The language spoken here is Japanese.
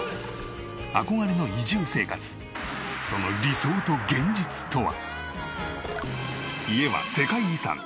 その理想と現実とは？